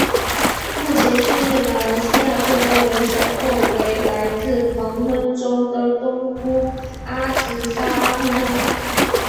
目前现任马来西亚最高元首后为来自彭亨州的东姑阿兹纱阿蜜娜。